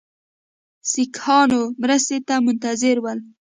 سیکهانو مرستې ته منتظر ول.